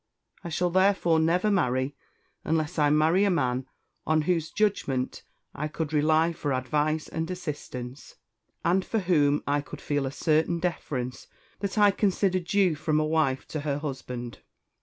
I shall therefore never marry, unless I marry a man on whose judgment I could rely for advice and assistance, and for whom I could feel a certain deference that I consider due from a wife to her husband."